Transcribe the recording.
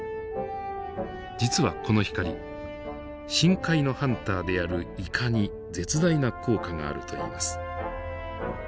実はこの光深海のハンターであるイカに絶大な効果があるといいます。